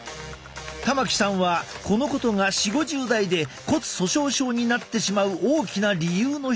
玉置さんはこのことが４０５０代で骨粗しょう症になってしまう大きな理由の一つだと考えている。